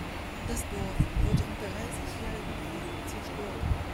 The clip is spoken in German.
Das Dorf wurde im dreißigjährigen Krieg zerstört.